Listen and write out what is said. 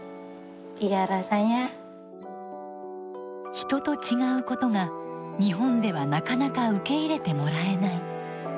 人と違うことが日本ではなかなか受け入れてもらえない。